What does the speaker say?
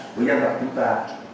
của nhân vật chúng ta